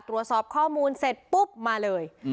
ตรวจสอบข้อมูลเสร็จปุ๊บมาเลย